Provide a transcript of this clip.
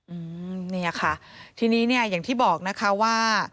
อืมนี่ค่ะทีนี้อย่างที่บอกนะคะว่า